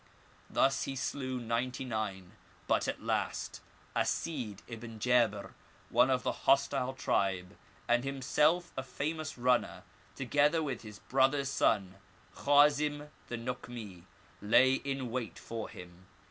Thus he slew ninety nine ; but at last Asid ibn Jdbir, one of the hostile tribe, and himself a famous runner, together with his brother's son, Khazim the Nokmi, lay in wait for him.